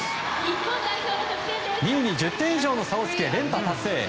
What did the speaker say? ２位に１０点以上の差をつけ連覇達成。